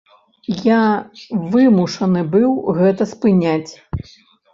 Я вымушаны быў гэта спыняць.